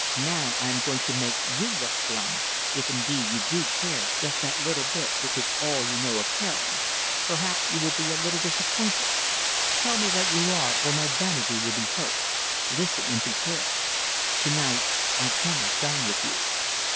Now I am going to make you look glum, if indeed you do care just that little bit which is all you know of caring. Perhaps you will be a little disappointed. Tell me that you are, or my vanity will be hurt. Listen and prepare. To night I cannot dine with you."